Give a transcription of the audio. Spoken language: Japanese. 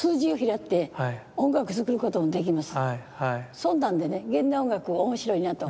そんなんでね現代音楽面白いなと。